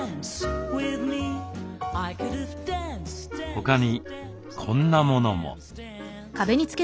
他にこんなものも。